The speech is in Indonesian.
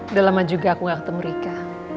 udah lama juga aku gak ketemu mereka